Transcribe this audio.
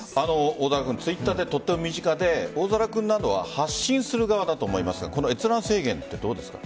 Ｔｗｉｔｔｅｒってとっても身近で大空君などは発信する側だと思いますがこの閲覧制限、どうですか？